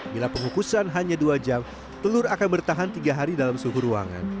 bila pengukusan hanya dua jam telur akan bertahan tiga hari dalam suhu ruangan